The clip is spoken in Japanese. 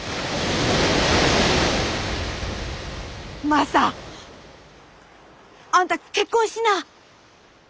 マサあんた結婚しな。